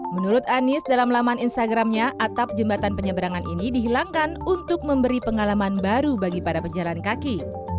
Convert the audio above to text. menurut anies dalam laman instagramnya atap jembatan penyeberangan ini dihilangkan untuk memberi pengalaman baru bagi para pejalan kaki